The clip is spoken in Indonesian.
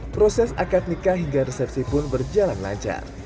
proses akad nikah hingga resepsi pun berjalan lancar